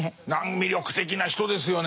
魅力的な人ですよね。